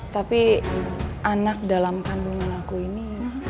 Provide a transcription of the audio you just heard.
tapi anak dalam kandungan aku ini